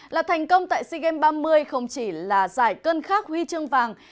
là thành công tại sea games ba mươi không chỉ là giải cân khắc huy chân vàng